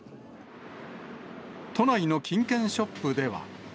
都内の金券ショップでは。